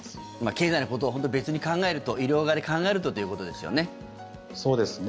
経済のことを別に考えると医療側で考えるとということですよね。